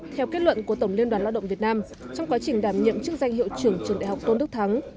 theo kết luận của tổng liên đoàn lao động việt nam trong quá trình đảm nhiệm chức danh hiệu trưởng trường đại học tôn đức thắng